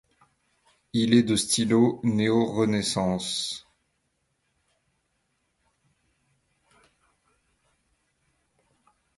Il est de style néo-renaissance.